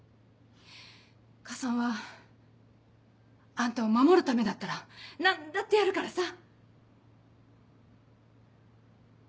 母さんはあんたを守るためだったら何だってやるからさ。